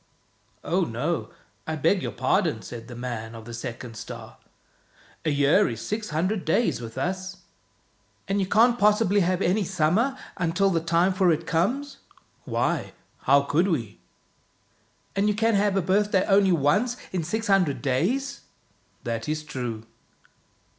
" Oh, no, I beg your pardon," said the man of the second star, " a year is six hundred days with us." " And you can't possibly have any summer until the time for it comes? "" Why, how could we? "" And you can have a birthday only once in six hundred days? "" That is true."